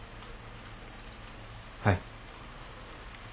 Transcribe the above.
はい。